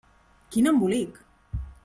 Quin embolic!